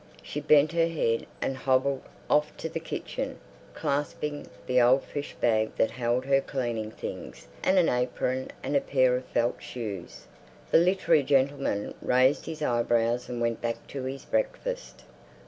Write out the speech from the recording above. She bent her head and hobbled off to the kitchen, clasping the old fish bag that held her cleaning things and an apron and a pair of felt shoes. The literary gentleman raised his eyebrows and went back to his breakfast.